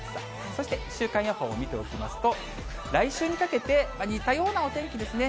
そして週間予報を見ておきますと、来週にかけて、似たようなお天気ですね。